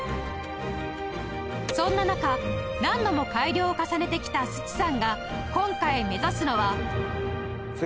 そんな中何度も改良を重ねてきた須知さんが今回目指すのは